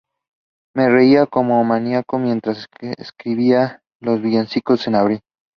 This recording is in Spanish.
Me reía como un maníaco mientras escribía los villancicos en abril".